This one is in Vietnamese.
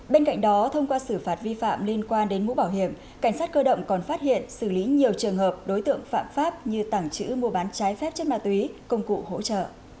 bên cạnh đó thông qua xử phạt vi phạm liên quan đến mũ bảo hiểm cảnh sát cơ động còn phát hiện xử lý nhiều trường hợp đối tượng phạm pháp như tảng chữ mua bán trái phép chất ma túy công cụ hỗ trợ